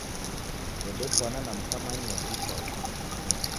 Dedekwana na mka Manyoki ikwau.